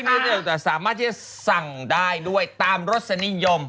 เรื่องนี้สามารถที่จะสั่งได้ด้วยตามรสนิยม